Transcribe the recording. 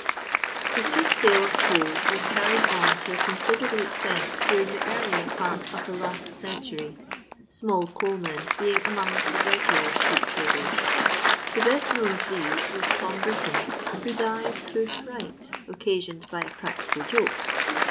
The street sale of coals was carried on to a con siderable extent during the earlier part of the last century, small coalmen" being among the regular street traders. The best known of these was Tom Britton, who died through fright occasioned by a practical joke.